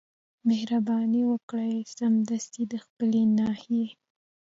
مهرباني وکړئ سمدستي د خپلي ناحيې